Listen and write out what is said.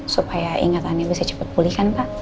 supaya ingatannya bisa cepet pulih kan pak